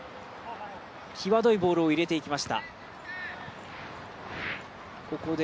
際どいボールを入れていきました。